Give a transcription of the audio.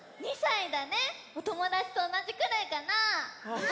おともだちとおなじくらいかな？